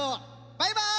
バイバイ！